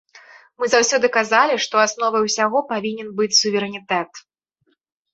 Мы заўсёды казалі, што асновай усяго павінен быць суверэнітэт.